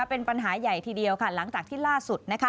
เป็นปัญหาใหญ่ทีเดียวค่ะหลังจากที่ล่าสุด